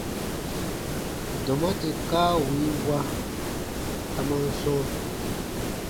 Dɔma tè kaa wii wa, a man sɔ̃: